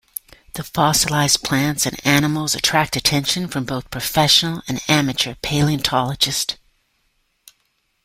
The fossilized plants and animals attract attention from both professional and amateur paleontologists.